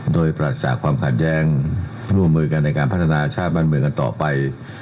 โดยปราศาจความขัดแย้งร่วมมือกันในการพัฒนาชาติบ้านเมืองกันต่อไป